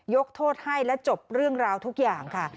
ยกโทษให้และจบเรื่องราวทุกอย่างค่ะ